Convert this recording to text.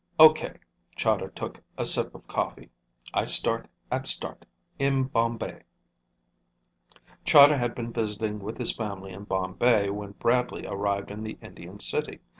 "Okay." Chahda took a sip of coffee. "I start at start. In Bombay." Chahda had been visiting with his family in Bombay when Bradley arrived in the Indian city.